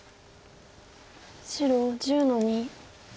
白１０の二。